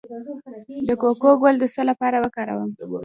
د کوکو ګل د څه لپاره وکاروم؟